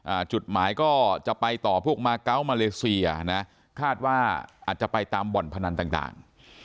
จุดหมายก็จะไปต่อพวกมาเกาะมาเลเซียนะคาดว่าอาจจะไปตามบ่อนพนันต่างต่าง